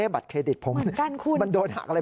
บัตรเครดิตผมมันโดนหักอะไรเป็นหรือเปล่าคุณเหมือนกันคุณ